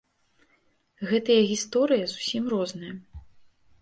Гэтыя гісторыі зусім розныя.